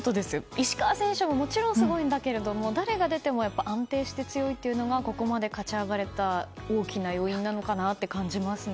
石川選手ももちろんすごいんだけど誰が出ても安定して強いというのがここまで勝ち上がれた大きな要因なのかなと感じますね。